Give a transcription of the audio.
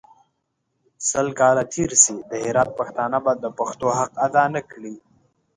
سل کاله تېر سي د هرات پښتانه به د پښتو حق اداء نکړي.